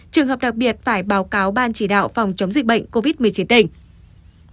trường hợp đặc biệt phải báo cáo ban chỉ đạo phòng chống dịch bệnh covid một mươi chín tỉnh